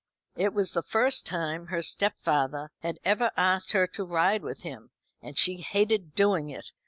It was the first time her stepfather had ever asked her to ride with him, and she hated doing it.